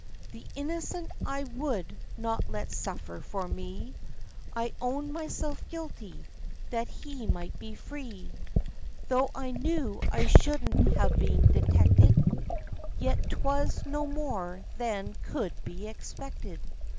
87 The innocent I would not let suffer for me ; I owned myself guilty, that he might be free, Though I knew I shouldn't have been detected, — Yet 'twas no more than could be expected."